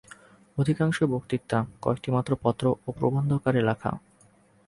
অধিকাংশই বক্তৃতা, কয়েকটি মাত্র পত্র ও প্রবন্ধাকারে লেখা।